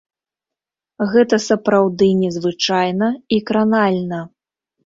Гэта сапраўды незвычайна і кранальна.